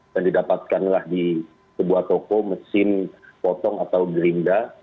dan didapatkanlah di sebuah toko mesin potong atau gerinda